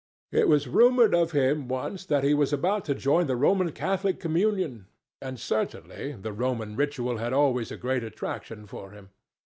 It was rumoured of him once that he was about to join the Roman Catholic communion, and certainly the Roman ritual had always a great attraction for him.